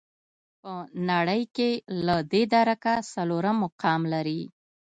په نړۍ کې له دې درکه څلورم مقام لري.